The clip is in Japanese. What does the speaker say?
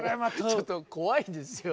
ちょっと怖いですよ。